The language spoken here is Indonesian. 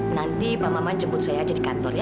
nanti pak maman jemput saya aja di kantor ya